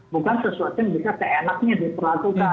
bukan sesuatu yang bisa seenaknya diperlakukan